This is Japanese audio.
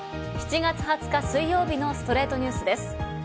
７月２０日、水曜日の『ストレイトニュース』です。